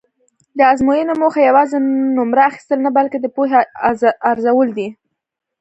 د ازموینو موخه یوازې نومره اخیستل نه بلکې د پوهې ارزول دي.